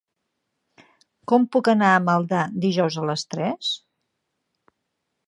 Com puc anar a Maldà dijous a les tres?